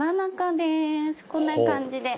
こんな感じで。